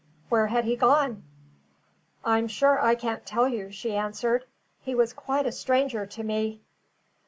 Where had he gone? "I'm sure I can't tell you," she answered. "He was quite a stranger to me."